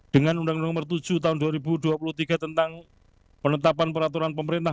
dengan undang undang nomor tujuh tahun dua ribu dua puluh tiga tentang penetapan peraturan pemerintah